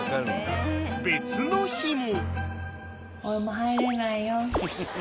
［別の日も］